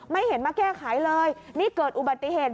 ไม่เห็นมาแก้ไขเลยนี่เกิดอุบัติเหตุ